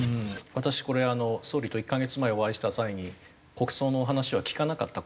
私これ総理と１カ月前お会いした際に国葬のお話は聞かなかった。